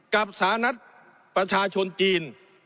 กับสถานัดประชาชนจีน